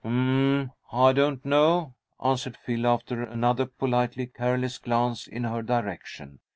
"Um, I don't know," answered Phil, after another politely careless glance in her direction.